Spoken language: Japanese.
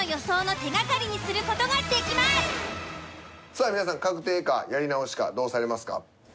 さあ皆さん確定かやり直しかどうされますか？